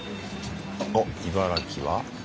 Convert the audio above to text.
おっ茨城は？